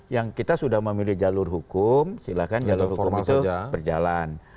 yang kita sudah memilih jalur hukum silahkan jalur hukum itu berjalan